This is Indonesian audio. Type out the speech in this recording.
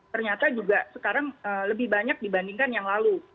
ternyata juga sekarang lebih banyak dibandingkan yang lalu